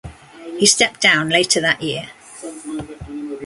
He stepped down later that year.